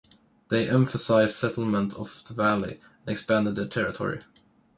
They emphasized settlement of the valley, and expanded their territory.